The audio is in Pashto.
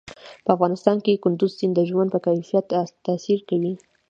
په افغانستان کې کندز سیند د ژوند په کیفیت تاثیر کوي.